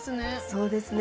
そうですね